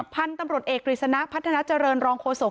พันธุ์ตำรวจเอกกฤษณะพัฒนาเจริญรองโฆษก